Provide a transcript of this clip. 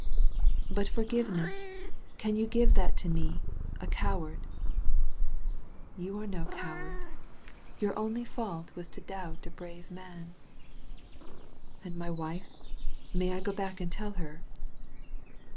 "But forgiveness? Can you give that to me — ^a coward?" "You are no coward. Your only fault was to doubt a brave man." "And my wife? May I go back and tell her?"